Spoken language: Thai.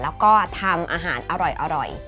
แล้วก็ทำอาหารอร่อย